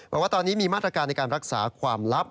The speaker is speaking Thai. บอกว่าตอนนี้มีมาตรการในการรักษาความลับ